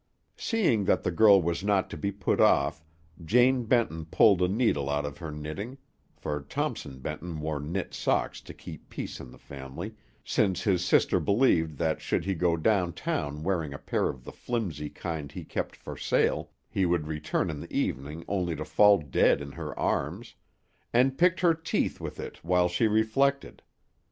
Seeing that the girl was not to be put off, Jane Benton pulled a needle out of her knitting for Thompson Benton wore knit socks to keep peace in the family, since his sister believed that should he go down town wearing a pair of the flimsy kind he kept for sale, he would return in the evening only to fall dead in her arms and picked her teeth with it while she reflected.